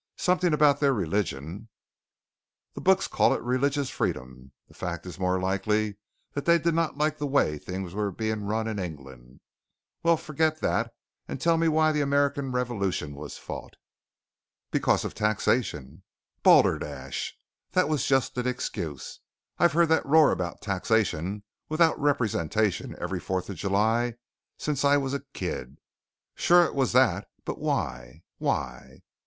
"Something about their religion." "The books call it religious freedom. The fact is more likely that they did not like the way things were being run in England. Well, forget that and tell me why the American Revolution was fought?" "Because of taxation." "Balderdash. That was just an excuse. I've heard that roar about 'Taxation without representation' every Fourth of July since I was a kid. Sure it was that, but why? Why?